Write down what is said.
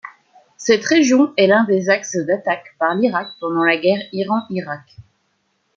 Cette région est l'un des axes d'attaque par l'Irak pendant la guerre Iran-Irak.